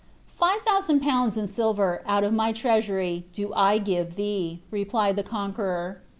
Five thousand pounds in silver, out of my ireasmy, do 1 give ihce," replied the Conqueror.